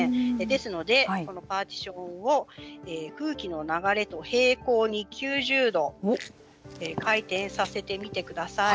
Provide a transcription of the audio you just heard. ですのでこのパーティションを空気の流れと並行に９０度回転させてみてください。